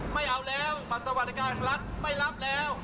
ไม่เอาแล้วบันตะวันอาการรัฐไม่รับแล้ว